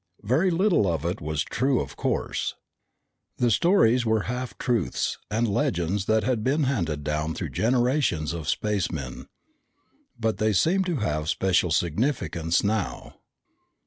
Very little of it was true, of course. The stories were half truths and legends that had been handed down through generations of spacemen, but they seemed to have special significance now.